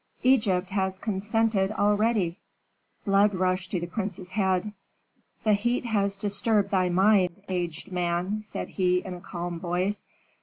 "Egypt has consented already." Blood rushed to the prince's head. "The heat has disturbed thy mind, aged man," said he, in a calm voice.